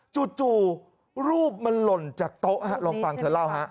จู่รูปมันหล่นจากโต๊ะลองฟังเธอเล่าฮะ